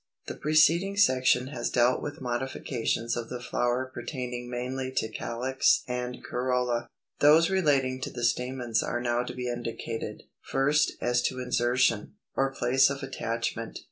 The preceding section has dealt with modifications of the flower pertaining mainly to calyx and corolla. Those relating to the stamens are now to be indicated. First as to 282. Insertion, or place of attachment.